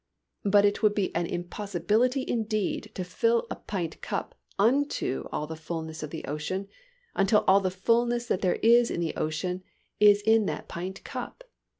But it would be an impossibility indeed to fill a pint cup unto all the fullness of the ocean, until all the fullness that there is in the ocean is in that pint cup.